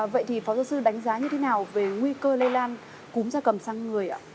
vậy thì phó giáo sư đánh giá như thế nào về nguy cơ lây lan cúm gia cầm sang người ạ